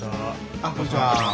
あっこんにちは。